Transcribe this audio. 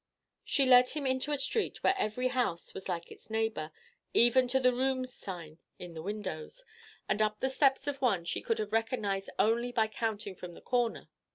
She led him into a street where every house was like its neighbor, even to the "Rooms" sign in the windows, and up the steps of one she could have recognized only by counting from the corner.